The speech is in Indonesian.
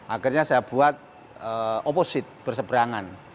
akhirnya saya buat oposit berseberangan